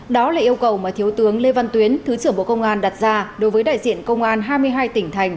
đó là yêu cầu mà thiếu tướng lê văn tuyến thứ trưởng bộ công an đặt ra đối với đại diện công an hai mươi hai tỉnh thành